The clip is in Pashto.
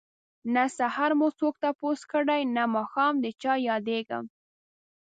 نه سحر مو څوک تپوس کړي نه ماښام ده چه ياديږم